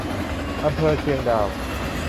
อำเภอเชียงดาว